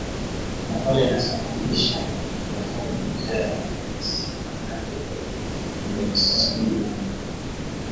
Kampala inasafirisha kwenda Kongo bidhaa za thamani ya dola milioni sabini na nne